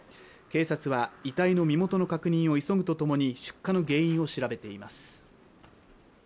警察は遺体の身元の確認を急ぐとともに出火の原因を調べています